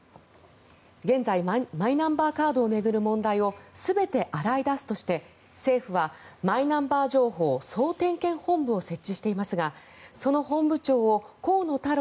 現在、マイナンバーカードを巡る問題を全て洗い出すとして、政府はマイナンバー情報総点検本部を設置していますがその本部長を河野太郎